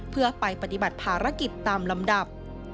เพื่อไปปฏิบัติภารกิจตามลำดับ